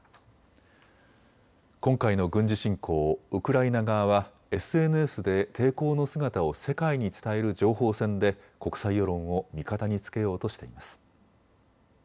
今回の軍事侵攻、ウクライナ側はＳＮＳで抵抗の姿を世界に伝える情報戦で国際世論を味方につけようとしています。